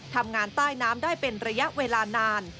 ทำงานใต้น้ำได้เป็นระยะเวลานาน